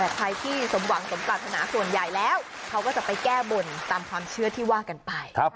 แต่ใครที่สมหวังสมปรารถนาส่วนใหญ่แล้วเขาก็จะไปแก้บนตามความเชื่อที่ว่ากันไป